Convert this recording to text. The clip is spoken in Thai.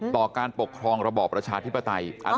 การปกครองระบอบประชาธิปไตย